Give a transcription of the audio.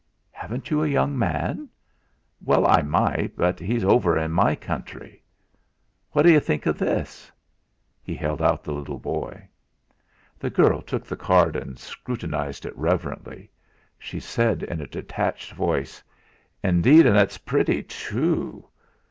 "Haven't you a young man?" "Well, I might. But he's over in my country. "What d'you think of this?" He held out the little boy. The girl took the card and scrutinised it reverently; she said in a detached voice: "Indeed, an' ut's pretty, too."